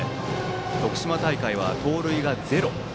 徳島大会は盗塁がゼロ。